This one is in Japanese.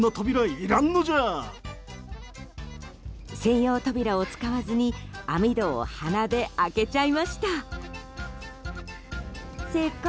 専用扉を使わずに網戸を鼻で開けちゃいました。